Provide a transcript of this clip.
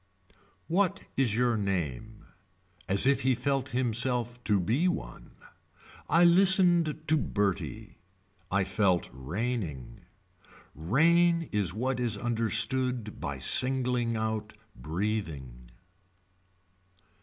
What is your name. As if he felt himself to be one. I listened to Bertie. I felt raining. Rain is what is understood by singling out breathing.